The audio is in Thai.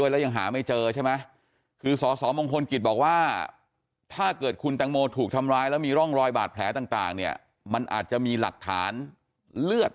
แล้วมีร่องรอยบาดแผลต่างเนี่ยมันอาจจะมีหลักฐานเลือด